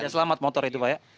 tidak selamat motor itu pak